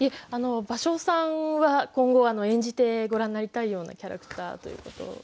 芭蕉さんは今後演じてごらんになりたいようなキャラクターということ。